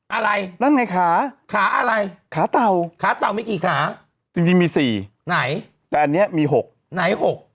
อะไรแล้วไหนขาขาอะไรขาเต่าขาเต่ามีกี่ขาจริงมี๔ไหนแต่อันนี้มี๖ไหน๖